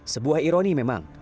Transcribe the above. sebuah ironi memang